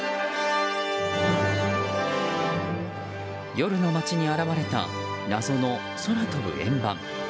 夜の街に現れた謎の空飛ぶ円盤。